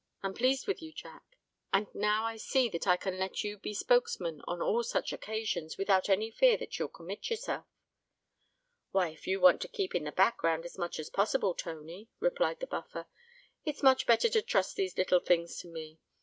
I'm pleased with you, Jack; and now I see that I can let you be spokesman on all such occasions without any fear that you'll commit yourself." "Why, if you want to keep in the back ground as much as possible, Tony," replied the Buffer, "it's much better to trust these little things to me.